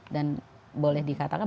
dan boleh dikatakan